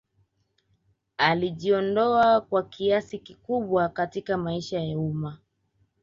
Alijiondoa kwa kiasi kikubwa katika maisha ya umma